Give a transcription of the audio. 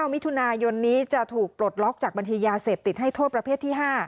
มิถุนายนนี้จะถูกปลดล็อกจากบัญชียาเสพติดให้โทษประเภทที่๕